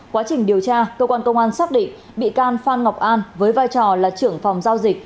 quá trình điều tra cơ quan công an xác định bị can phan ngọc an với vai trò là trưởng phòng giao dịch